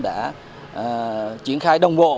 đã triển khai đồng bộ